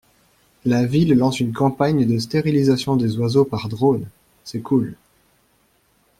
La ville lance une campagne de stérilisation des oiseaux par drone, c'est cool.